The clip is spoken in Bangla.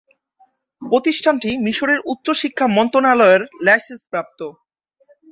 প্রতিষ্ঠানটি মিশরের উচ্চ শিক্ষা মন্ত্রণালয়ের লাইসেন্সপ্রাপ্ত।